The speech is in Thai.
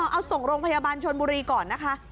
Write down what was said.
เอาส่งโรงพยาบาลชนบุรีก่อนนะคะ